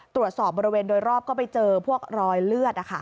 ตรวจสอบบริเวณโดยรอบก็ไปเจอพวกรอยเลือด